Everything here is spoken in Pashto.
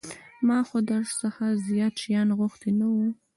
ما خو در څخه زيات شيان غوښتي نه وو.